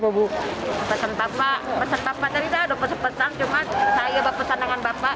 pesan bapak pesan bapak tadi ada pesan pesan cuma saya pesan dengan bapak